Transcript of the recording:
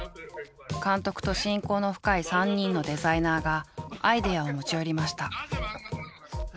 監督と親交の深い３人のデザイナーがアイデアを持ち寄りました。